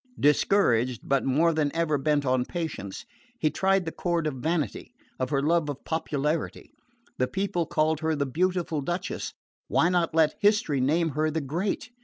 Discouraged, but more than ever bent on patience, he tried the chord of vanity, of her love of popularity. The people called her the beautiful Duchess why not let history name her the great?